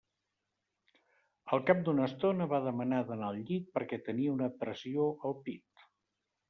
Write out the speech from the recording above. Al cap d'una estona va demanar d'anar al llit perquè tenia una pressió al pit.